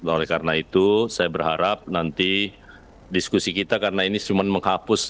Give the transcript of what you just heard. oleh karena itu saya berharap nanti diskusi kita karena ini cuma menghapus